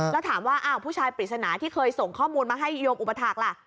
แล้วถามว่าอ้าวผู้ชายปริศนาที่เคยส่งข้อมูลมาให้โยมอุปถาคล่ะ